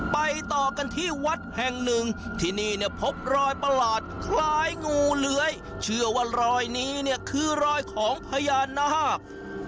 ไปต่อกันที่วัดแห่งหนึ่งที่นี่เนี่ยพบรอยประหลาดคล้ายงูเลื้อยเชื่อว่ารอยนี้เนี่ยคือรอยของพญานาค